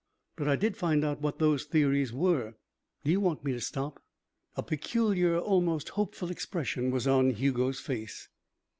But I did find out what those theories were. Do you want me to stop?" A peculiar, almost hopeful expression was on Hugo's face.